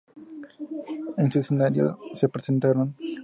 En su escenario se presentaron obras teatrales de índole popular y conciertos.